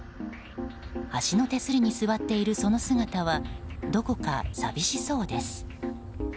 橋の手すりに座っているその姿はどこか寂しそうです。